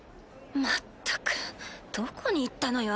まったくどこに行ったのよ